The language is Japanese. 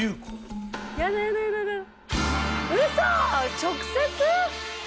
直接？